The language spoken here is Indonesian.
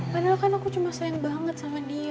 padahal kan aku cuma sayang banget sama dia